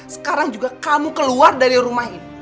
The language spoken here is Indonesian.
sekarang juga kamu keluar dari rumah ini